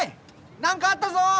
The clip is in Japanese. なんかあったぞ！